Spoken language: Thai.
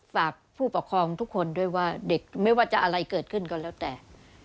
ฝากผู้ปกครองทุกคนด้วยว่าเด็กไม่ว่าจะอะไรเกิดขึ้นก็แล้วแต่